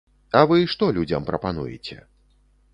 А вы што людзям прапануеце?